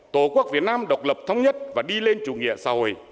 tổ quốc việt nam độc lập thống nhất và đi lên chủ nghĩa xã hội